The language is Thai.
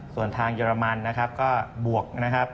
ส่วนทางเยอรมันนะครับก็บวกนะครับ